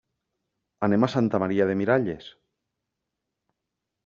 Anem a Santa Maria de Miralles.